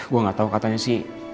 gue gak tau katanya sih